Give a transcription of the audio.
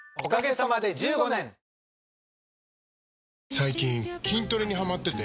最近筋トレにハマってて。